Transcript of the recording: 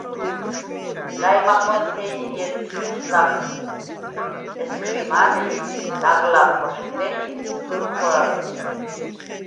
ლა̈ჲმახვა̄ლთე ი ჲედ შუკვს ლახ ესხრი მა̄რე ი ლაღლა̈ბ ხოშყდენი, სურუ ხოლა როქვ ლი.